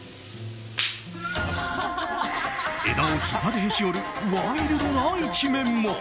枝を膝でへし折るワイルドな一面も。